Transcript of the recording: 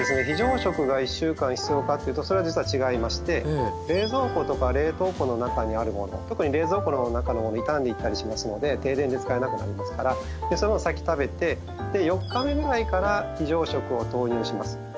非常食が１週間必要かっていうとそれは実は違いまして冷蔵庫とか冷凍庫の中にあるもの特に冷蔵庫の中のものは傷んでいったりしますので停電で使えなくなりますからそういうものを先食べてで４日目ぐらいから非常食を投入します。